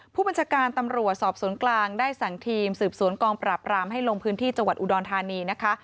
ผู้บัญชาการตำรวจสอบสวนกลางได้สั่งทีมสืบสวนกองปราบรามให้ลงพื้นที่จังหวัดอุดรธานีนะคะ